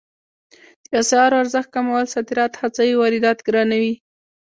د اسعارو ارزښت کمول صادرات هڅوي او واردات ګرانوي